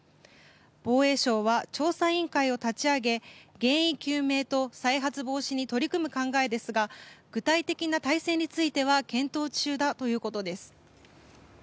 防衛省は、調査委員会を立ち上げ原因究明と再発防止に取り組む考えですが具体的な体制については検討中だということです。